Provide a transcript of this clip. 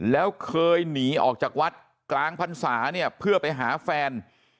แล้วเคยหนีออกจากวัดกลางพรรษาเนี่ยเพื่อไปหาแฟน